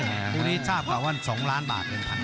ดูนี่ทราบก่อนว่า๒ล้านบาท๑๐๐๐บาท